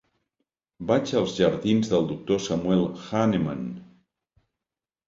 Vaig als jardins del Doctor Samuel Hahnemann.